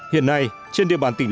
hiện nay trên địa bàn tỉnh